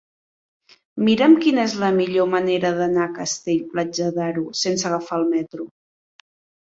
Mira'm quina és la millor manera d'anar a Castell-Platja d'Aro sense agafar el metro.